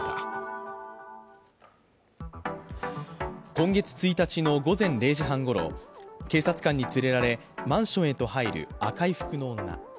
今月１日の午前０時半ごろ、警察官に連れられマンションへと入る赤い服の女。